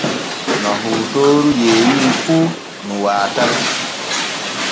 No hodorooru yeewiri fu nu waatay.